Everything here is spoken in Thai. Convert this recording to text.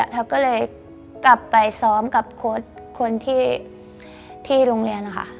แล้วก็เลยกลับไปซ้อมกับโค้ดคนที่โรงเรียนค่ะ